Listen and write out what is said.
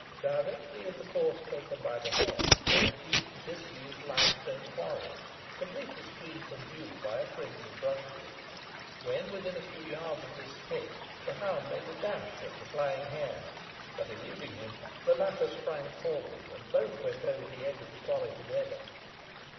Directly in the course taken by the hare lay a deep, disused limestone quarry, completely screened from view by a fringe of brushwood. When within a few yards of this pit, the hound made a dash at the flying hare, but eluding him, the latter sprang forward, and both went over the edge of the quarry together.